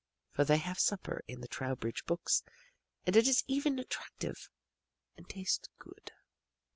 For they have supper in the Trowbridge books and it is even attractive and tastes good.